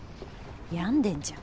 病んでんじゃん。